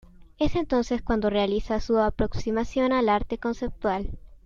Es entonces cuando realiza su aproximación al Arte Conceptual.